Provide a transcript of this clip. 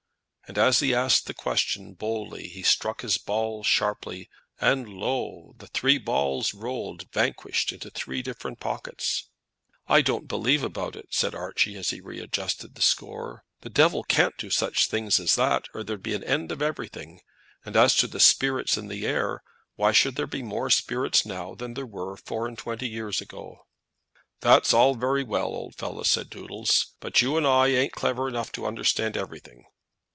And as he asked the question boldly he struck his ball sharply, and, lo, the three balls rolled vanquished into three different pockets. "I don't believe about it," said Archie, as he readjusted the score. "The devil can't do such things as that or there'd be an end of everything; and as to spirits in the air, why should there be more spirits now than there were four and twenty years ago?" "That's all very well, old fellow," said Doodles, "but you and I ain't clever enough to understand everything."